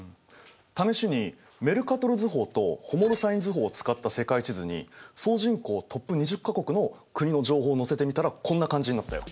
試しにメルカトル図法とホモロサイン図法を使った世界地図に総人口トップ２０か国の国の情報を載せてみたらこんな感じになったよ。